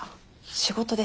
仕事です。